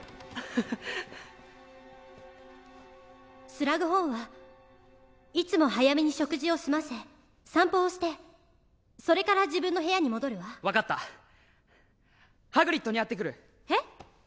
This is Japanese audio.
ハハハッスラグホーンはいつも早めに食事を済ませ散歩をしてそれから自分の部屋に戻るわ分かったハグリッドに会ってくるえっ？